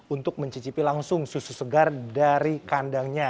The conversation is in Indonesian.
untuk mencicipi langsung susu segar dari kandangnya